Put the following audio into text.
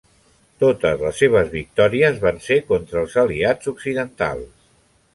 Totes les seves victòries van ser contra els Aliats Occidentals.